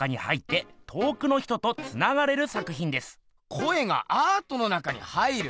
声がアートの中に入る？